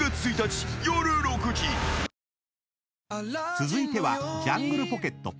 ［続いてはジャングルポケット。